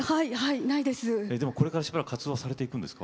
これから、しばらく活動されていくんですか？